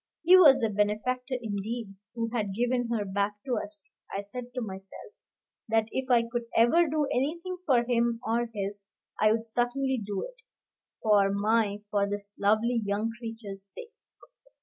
He was a benefactor, indeed, who had given her back to us. I said to myself, that if I could ever do anything for him or his, I would certainly do it, for my for this lovely young creature's sake.